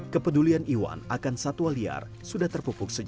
kepedulian iwan akan satwa liar sudah terpupuk sejak